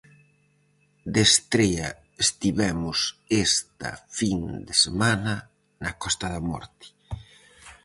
De estrea estivemos esta fin de semana na Costa da Morte.